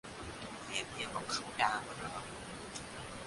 แบบเดียวกับเคาน์ดาวน์อะเหรอ